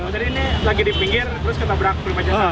jadi ini lagi di pinggir terus ketabrak prima jasa